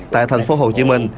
tại thành phố hồ chí minh